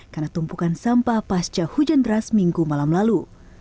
karena tumpukan sampah pasca hujan deras minggu malam lalu